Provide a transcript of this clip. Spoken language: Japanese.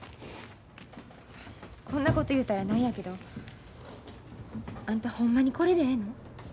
こんなこと言うたら何やけどあんたほんまにこれでええの？